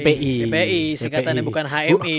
ppi seingatannya bukan hmi